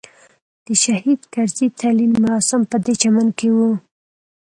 د شهید کرزي تلین مراسم په دې چمن کې وو.